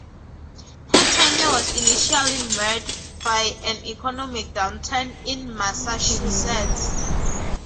Her tenure was initially marred by an economic downturn in Massachusetts.